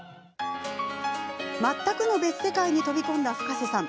全くの別世界に飛び込んだＦｕｋａｓｅさん。